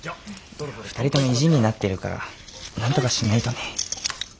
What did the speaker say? ２人とも意地になってるからなんとかしないとね。